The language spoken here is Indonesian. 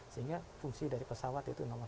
sehingga fungsi dari pesawat itu nomor satu